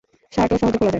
শার্টও সহজে খোলা যায়।